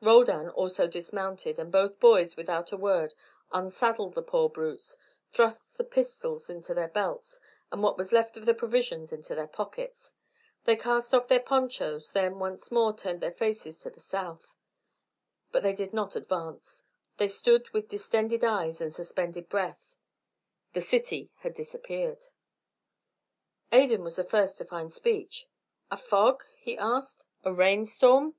Roldan also dismounted, and both boys, without a word, unsaddled the poor brutes, thrust the pistols into their belts and what was left of the provisions into their pockets. They cast off their ponchos, then once more turned their faces to the south. But they did not advance. They stood with distended eyes and suspended breath. The city had disappeared. Adan was the first to find speech. "A fog?" he asked. "A rain storm?"